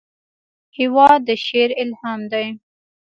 هېواد د شعر الهام دی.